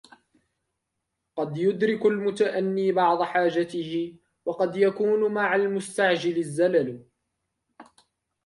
قد يدرك المتأني بعض حاجته وقد يكون مع المستعجل الزلل